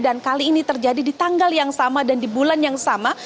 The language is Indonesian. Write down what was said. dan kali ini terjadi di tanggal yang sama dan di bulan yang sama